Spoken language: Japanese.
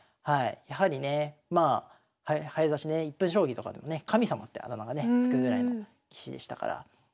やはりね早指しね１分将棋とかでもね神様ってあだ名がね付くぐらいの棋士でしたから。